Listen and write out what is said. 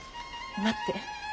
待って。